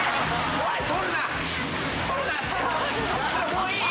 もういい。